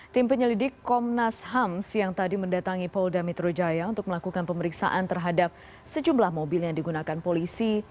tim penyelidik komnas ham siang tadi mendatangi polda metro jaya untuk melakukan pemeriksaan terhadap sejumlah mobil yang digunakan polisi